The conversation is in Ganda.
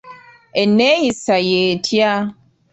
Enneeyisa y'etya?